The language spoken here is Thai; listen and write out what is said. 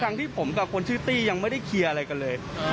ที่ผมกับคนชื่อตี้ยังไม่ได้เคลียร์อะไรกันเลย